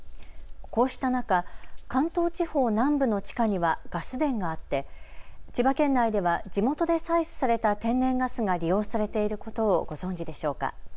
こうした中、関東地方南部の地下にはガス田があって千葉県内では地元で採取された天然ガスが利用されていることをご存じでしょうか。